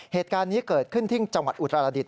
เหตุการณ์นี้เกิดขึ้นที่จังหวัดอุตรดิษ